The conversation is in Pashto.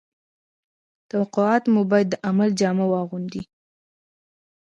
توقعات مو باید د عمل جامه واغوندي